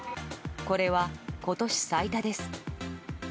これは今年最多です。